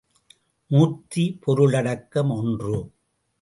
மூர்த்தி பொருளடக்கம் ஒன்று.